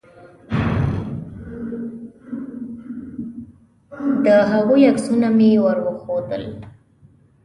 د هغوی عکسونه مې ور وښودل.